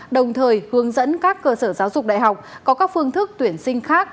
đồng thời hướng dẫn các cơ sở giáo dục đại học có các phương thức tuyển sinh khác